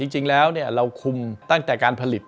จริงแล้วเราคุมตั้งแต่การผลิต